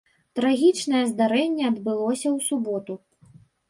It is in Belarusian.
Трагічнае здарэнне адбылося ў суботу.